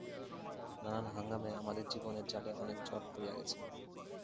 নানান হাঙ্গামে আমাদের জীবনের জালে অনেক জট পড়িয়া গেছে।